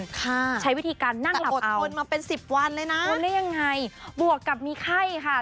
ค่ะใช้วิธีการนั่งหลับอดทนมาเป็นสิบวันเลยนะทนได้ยังไงบวกกับมีไข้ค่ะ